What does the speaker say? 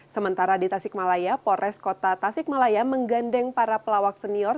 sementara di tasikmalaya pores kota tasikmalaya menggandeng para pelawak senior